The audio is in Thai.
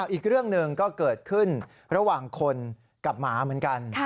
อีกเรื่องหนึ่งก็เกิดขึ้นระหว่างคนกับหมาเหมือนกัน